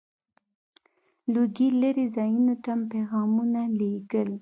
• لوګی لرې ځایونو ته پيغامونه لیږل.